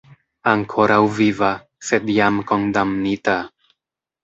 Ankoraŭ viva, sed jam kondamnita.